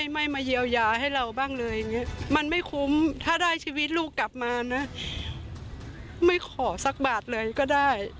ไม่มาเยียวยาให้เราบ้างเลยอย่างนี้มันไม่คุ้มถ้าได้ชีวิตลูกกลับมานะไม่ขอสักบาทเลยก็ได้